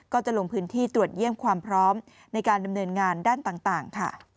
ก็จะลงพื้นที่ตรวจเยี่ยมความพร้อมในการดำเนินงานด้านต่างค่ะ